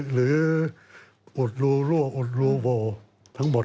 หรืออดรูรวกอดรูโวทั้งหมด